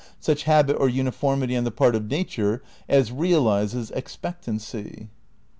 such habit or uniformity on the part of nature as realises ex pectancy."